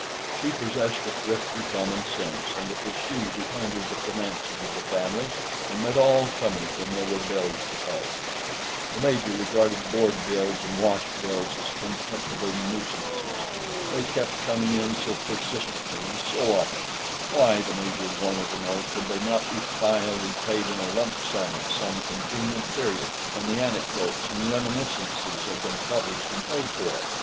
She possessed a thrifty common sense, and it was she who handled the finances of the family, and met all comers when there were bills to pay. The Major regarded board bills and wash bills as contemptible nuisances. They kept coming in so persistently and so often. Why, the Major wanted to know, could they not be filed and paid in a lump sum at some convenient period—say when the Anecdotes and Reminiscences had been published and paid for?